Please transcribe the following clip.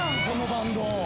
このバンド。